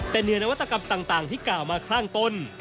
แต่เหนือนวัตกรรมต่างที่กล่าวมาข้างต้น